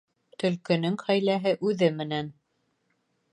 Төлкөнөң хәйләһе үҙе менән.